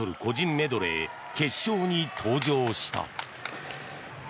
メドレー決勝に登場した。